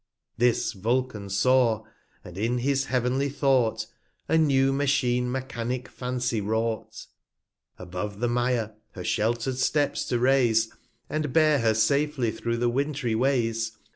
270 This Vulcan saw, and in his heav'nly Thought, A new Machine Mechanick Fancy wrought, Above the Mire her shelter'd steps to raise, And bear her safely through the Wintry Ways.